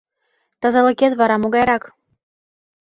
Тазалыкет вара могайрак?